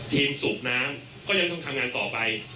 สูบน้ำก็ยังต้องทำงานต่อไป